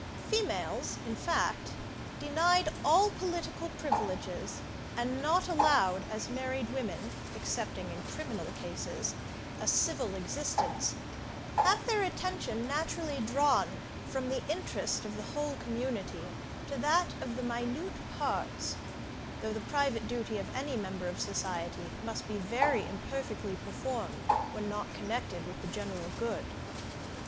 Females, in fact, denied all political privileges, and not allowed, as married women, excepting in criminal cases, a civil existence, have their attention naturally drawn from the interest of the whole community to that of the minute parts, though the private duty of any member of society must be very imperfectly performed, when not connected with the general good.